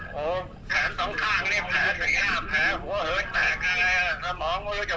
แผลต้องข้างแผลเสียแผลหัวเหิดแตกสมองไม่รู้จะบวมหรือเปล่า